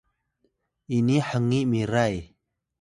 ini hngiy miray